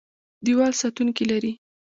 دیوال ساتونکي لري.